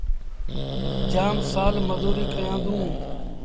جآم سآل مزوريٚ ڪيآݩدوݩ۔